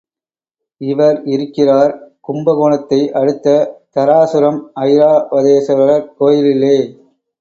இவர் இருக்கிறார், கும்ப கோணத்தை அடுத்த தாராசுரம் ஐராவதேஸ்வரர் கோயிலிலே.